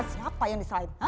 siapa yang disalahin